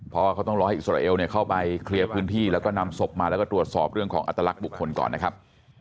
เพราะว่าเขาต้องรอให้อิสราเอลเข้าไปเคลียร์พื้นที่แล้วก็นำศพมาแล้วก็ตรวจสอบเรื่องของอัตลักษณ์บุคคลก่อนนะครับ